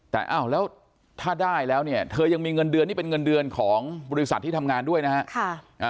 แต่อ้าวแล้วถ้าได้แล้วเนี่ยเธอยังมีเงินเดือนนี่เป็นเงินเดือนของบริษัทที่ทำงานด้วยนะฮะ